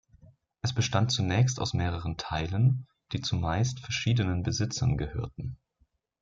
Es bestand zunächst aus mehreren Teilen, die zumeist verschiedenen Besitzern gehörten.